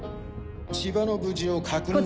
千葉の無事を確認させ。